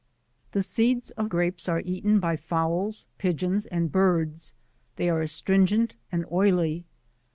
The seeds of Grapes are eaten by fowls, pidgeons and birds ; they are astringent and oily.